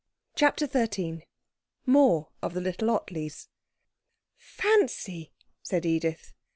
CHAPTER XIII More of the Little Ottleys 'Fancy!' said Edith.